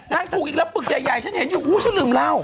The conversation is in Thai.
นางถูกอีกแล้วปึกใหญ่ฉันเห็นอยู่อู้ฉันลืมเหล้า